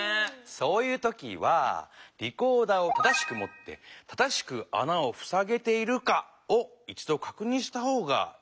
そういう時はリコーダーを正しくもって正しくあなをふさげているかを一どかくにんした方がいいんだよね。